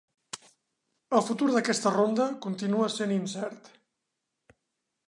El futur d'aquesta ronda continua sent incert.